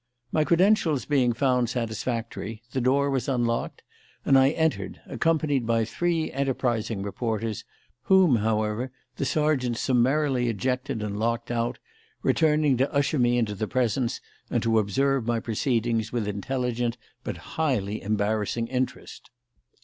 My credentials being found satisfactory, the door was unlocked and I entered, accompanied by three enterprising reporters, whom, however, the sergeant summarily ejected and locked out, returning to usher me into the presence and to observe my proceedings with intelligent but highly embarrassing interest.